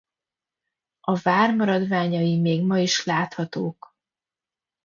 A vár maradványai még ma is láthatók.